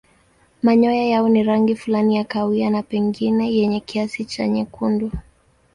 Manyoya yao ni rangi fulani ya kahawia na pengine yenye kiasi cha nyekundu.